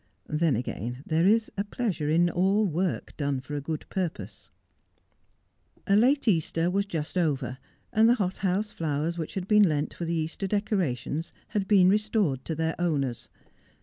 Then, again, there is a pleasure in all work done for a good purpose. A late Easter was just over, and the hothouse flowers which had been lent for the Easter decorations had been restored to their owners.